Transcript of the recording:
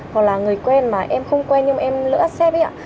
hoặc là người quen mà em không quen nhưng em lỡ accept ý ạ